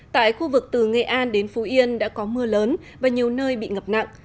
tại khu vực từ nghệ an đến phú yên đã có mưa lớn và nhiều nơi bị ngập nặng